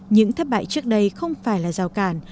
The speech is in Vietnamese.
những thất bại trước đây không phải là rào cản